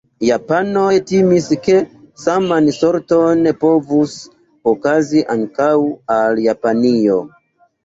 Japanoj timis ke saman sorton povus okazi ankaŭ al Japanio.